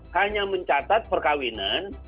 hanya mencatat perkahwinan